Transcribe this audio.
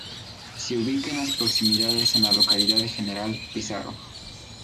Se ubica en las proximidades de la localidad de General Pizarro.